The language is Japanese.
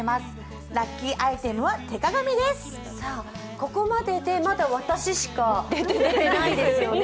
ここまででまだ私しか出てないですよね。